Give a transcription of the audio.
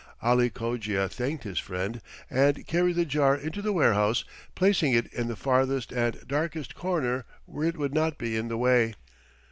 Ali Cogia thanked his friend and carried the jar into the warehouse, placing it in the farthest and darkest corner where it would not be in the way.